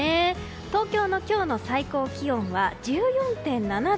東京の今日の最高気温は１４．７度。